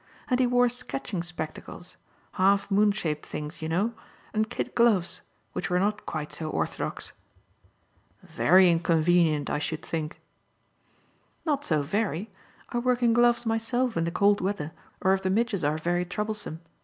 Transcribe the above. And he wore sketching spectacles half moon shaped things, you know and kid gloves which were not quite so orthodox." "Very inconvenient, I should think." "Not so very. I work in gloves myself in the cold weather or if the midges are very troublesome.